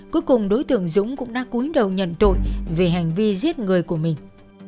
cuối cùng đối tượng dũng cũng đã cúi đầu nhận tội về hành vi giết người của mình